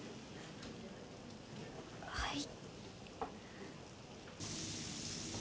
はい。